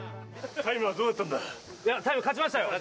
タイム勝ちましたよ